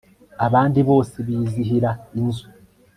Abandi bose bizihira inzu